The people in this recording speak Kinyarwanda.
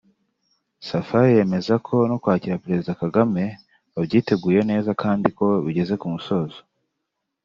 Safari yemeza ko no kwakira Perezida Kagame babyiteguye neza kandi bigeze ku musozo